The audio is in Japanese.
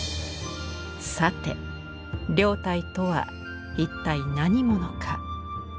さて凌岱とは一体何者か。